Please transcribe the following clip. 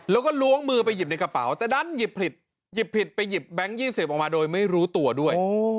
แล้วก็ล้วงมือไปหยิบในกระเป๋าแต่ดันหยิบผิดหยิบผิดไปหยิบแบงค์๒๐ออกมาโดยไม่รู้ตัวด้วย